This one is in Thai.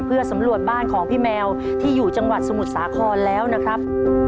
เพื่อสำรวจบ้านของพี่แมวที่อยู่จังหวัดสมุทรสาครแล้วนะครับ